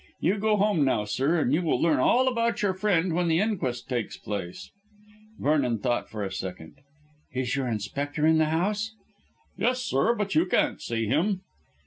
You go home now, sir, and you'll learn all about your friend when the inquest takes place." Vernon thought for a second. "Is your Inspector in the house?" "Yes, sir, but you can't see him."